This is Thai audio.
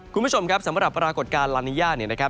คุณผู้ชมครับสำหรับปรากฏการณ์ลานิยาเนี่ยนะครับ